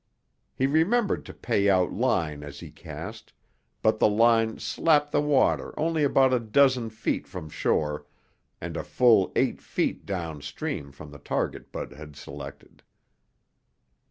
He remembered to pay out line as he cast, but the line slapped the water only about a dozen feet from shore and a full eight feet downstream from the target Bud had selected.